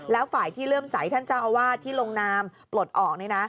แล้วฝ่ายที่เลื่อมใสท่านเจ้าอาวาสที่ลงนามปลดออก